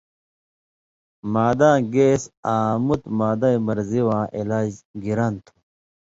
معداں گیس آں مُتیۡ معدَیں مرضی واں علاج گِران تُھو